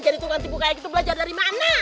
jadi tukang tipu kayak gitu belajar dari mana